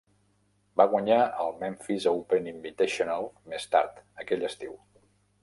Va guanyar el Memphis Open Invitational més tard, aquell estiu.